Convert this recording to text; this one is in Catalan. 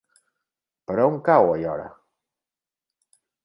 Per on cau Aiora?